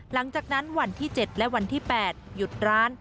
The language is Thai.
หลังจากนั้นวันที่๗และวันที่๘หยุดร้าน